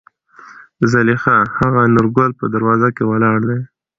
زليخا : هغه نورګل په دروازه کې ولاړ دى.